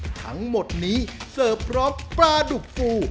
ทั้งหมดนี้เสิร์ฟพร้อมปลาดุกฟู